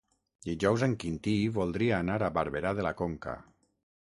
Dijous en Quintí voldria anar a Barberà de la Conca.